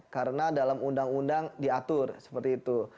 karena dalam undang undang diatur seperti itu